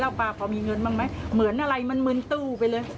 ป้าพอมีเงินบ้างไหมเหมือนอะไรมันมืนตู้ไปเลย